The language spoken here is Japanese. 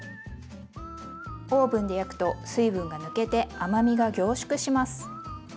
オーブンで焼くと水分が抜けて甘みが凝縮します。